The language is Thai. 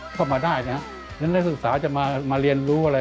เข้ามาได้นะฉะนั้นนักศึกษาจะมาเรียนรู้อะไร